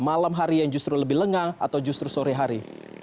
malam hari yang justru lebih lengang atau justru sore hari